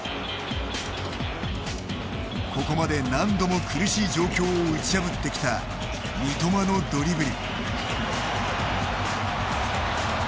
ここまで何度も苦しい状況を打ち破ってきた三笘のドリブル。